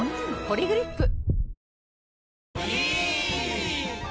「ポリグリップ」